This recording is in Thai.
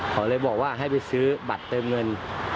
เขาเลยบอกว่าให้ไปซื้อบัตรเติมเงิน